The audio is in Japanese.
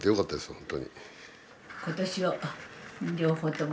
本当に。